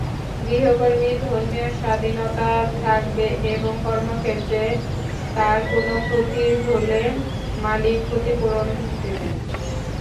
গৃহকর্মীর ধর্মীয় স্বাধীনতা থাকবে এবং কর্মক্ষেত্রে তাঁর কোনো ক্ষতি হলে মালিক ক্ষতিপূরণ দেবেন।